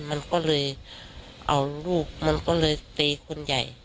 มันก็เลยเอาลูกมันก็เลยตีคนใหญ่